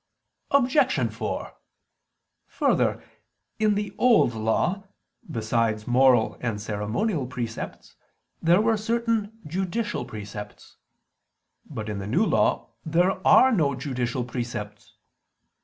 Obj. 4: Further, in the Old Law, besides moral and ceremonial precepts, there were certain judicial precepts. But in the New Law there are no judicial precepts.